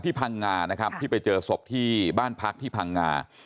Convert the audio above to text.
พังงานะครับที่ไปเจอศพที่บ้านพักที่พังงา